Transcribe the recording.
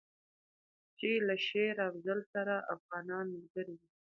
چې له شېر افضل سره افغانان ملګري دي.